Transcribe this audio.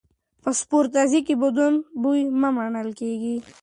په سپورتځای کې بدن بوی منل کېږي.